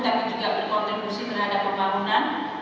tapi juga berkontribusi terhadap pembangunan